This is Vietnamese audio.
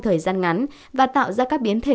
thời gian ngắn và tạo ra các biến thể